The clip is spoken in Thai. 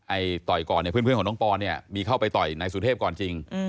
ต่อยก่อนเนี่ยเพื่อนของน้องปอนเนี่ยมีเข้าไปต่อยนายสุเทพก่อนจริง